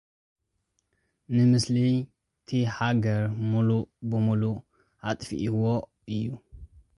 ንምስሊ'ታ ሃገር ምሉእ ብምሉእ ኣጥፊእዎ እዩ።